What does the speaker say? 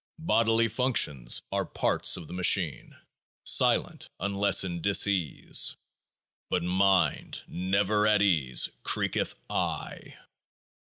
Bodily functions are parts of the machine ; silent, unless in dis ease. But mind, never at ease, creaketh " 'I.'